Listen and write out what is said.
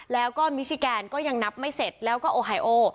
แล้วก็มิชิแกนก็ยังนับไม่เสร็จแล้วก็โอไฮโอ